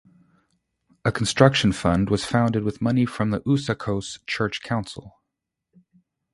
A construction fund was founded with money from the Usakos church council.